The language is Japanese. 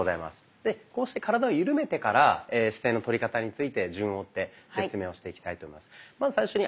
でこうして体を緩めてから姿勢のとり方について順を追って説明をしていきたいと思います。